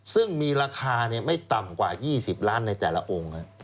ซึ่งมีราคาไม่ต่ำกว่า๒๐ล้านในแต่ละองค์